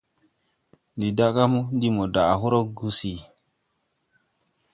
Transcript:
Ndi daga ndi mo daʼ hodrɔ gusi.